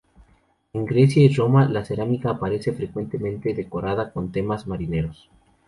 En Grecia y Roma, la cerámica aparece frecuentemente decorada con temas marineros.